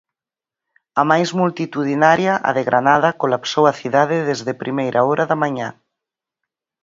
A máis multitudinaria, a de Granada, colapsou a cidade desde primeira hora da mañá.